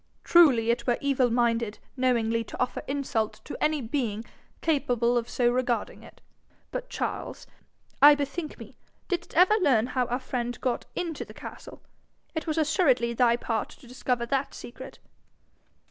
Truly it were evil minded knowingly to offer insult to any being capable of so regarding it. But, Charles, I bethink me: didst ever learn how our friend got into the castle? It was assuredly thy part to discover that secret.'